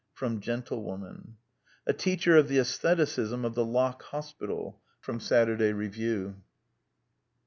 Gentlewoman. " A teacher of the asstheticism of the Lock Hospital." Saturday Review.